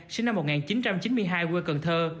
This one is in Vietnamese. sinh năm một nghìn chín trăm chín mươi hai quê cần thơ